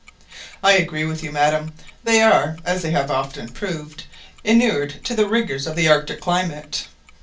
"I agree with you, madam; they are, as they have often proved, inured to the rigours of the Arctic climate.